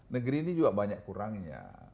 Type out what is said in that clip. negeri ini juga banyak kurangnya